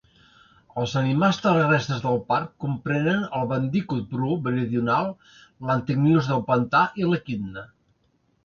Els animals terrestres del parc comprenen el bàndicut bru meridional, l'antechinus del pantà i l'equidna.